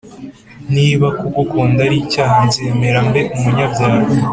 niba kugukunda ari icyaha nzemera mbe umunyabyaha